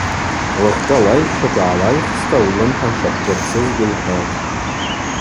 Уахьчӏва лайщчваква гӏалайхста ллымхӏа шакъвдырцызгьи лхӏвахтӏ.